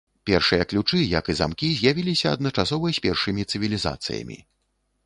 Першыя ключы, як і замкі, з'явіліся адначасова з першымі цывілізацыямі.